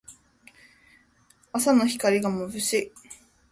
朝の光がまぶしい。